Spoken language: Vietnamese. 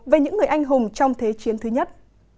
về những người anh hùng trong thế chiến thứ nhất